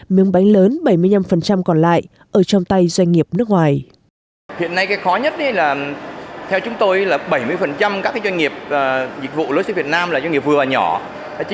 miếng bánh lớn bảy mươi năm còn lại ở trong tay doanh nghiệp nước ngoài